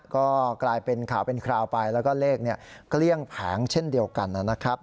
ก็กลายเป็นข่าวเป็นคราวไปแล้วก็เลขเกลี้ยงแผงเช่นเดียวกันนะครับ